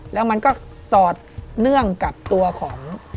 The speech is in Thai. แล้วมันก็สอดเนื่องกับตัวของ